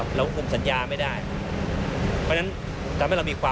กลับไปดูทาง๑๒๘ว่า